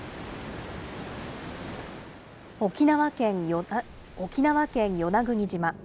沖縄県与那国島。